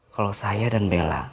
kalau saya dan bella